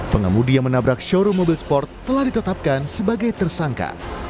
pengemudi yang menabrak showroom mobil sport telah ditetapkan sebagai tersangka